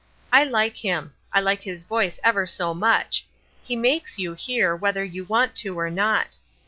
I like him; I like his voice ever so much; he makes you hear, whether you want to or not.